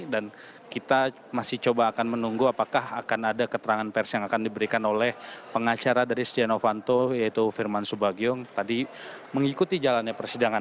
dan kita masih coba akan menunggu apakah akan ada keterangan pers yang akan diberikan oleh pengacara dari setia novanto yaitu firman subagyong tadi mengikuti jalannya persidangan